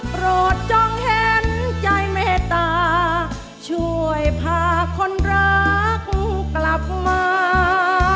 โปรดจงเห็นใจเมตตาช่วยพาคนรักกลับมา